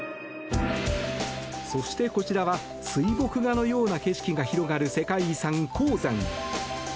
そして、こちらは水墨画のような景色が広がる世界遺産・黄山。